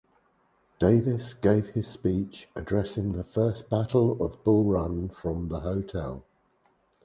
Davis gave his speech addressing the First Battle of Bull Run from the hotel.